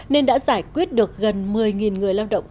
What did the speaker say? nên đã giải quyết được gần một mươi người lao động